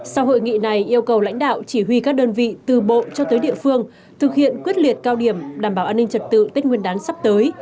sau hội nghị này yêu cầu lãnh đạo chỉ huy các đơn vị từ bộ cho tới địa phương thực hiện quyết liệt cao điểm đảm bảo an ninh trật tự tích nguyên đán sắp tới